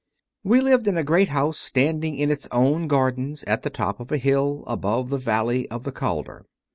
2. We lived in a great house standing in its own gardens, at the top of a hill above the valley of the Calder.